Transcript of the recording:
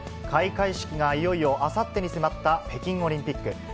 開会式がいよいよあさってに迫った北京オリンピック。